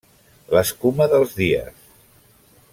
L'escuma dels dies.